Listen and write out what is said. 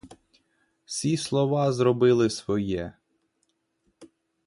Сі слова зробили своє.